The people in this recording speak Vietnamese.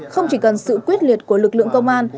không chỉ cần sự quyết liệt của lực lượng công an